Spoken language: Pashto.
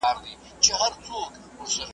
موسم به راسي د ګل غونډیو .